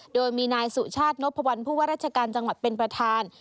โดยมีนายสุชาตินพพรจังหวัดเป็นประธาน